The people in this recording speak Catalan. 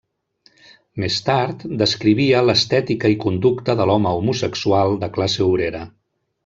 Més tard, descrivia l'estètica i conducta de l'home homosexual de classe obrera.